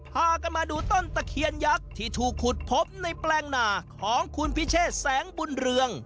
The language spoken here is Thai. พากันมาดูต้นตะเคียนยักษ์ที่ถูกขุดพบในแปลงนาของคุณพิเชษแสงบุญเรือง